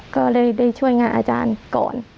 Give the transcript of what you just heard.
ก็เลยได้ช่วยงานอาจารย์ก่อน